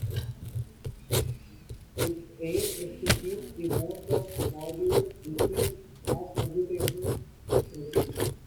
Its aim is to keep the most of modules busy as computations proceed.